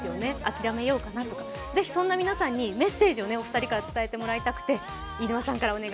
諦めようかなとか、ぜひそんな皆さんにメッセージをお二人から伝えていただきたくて。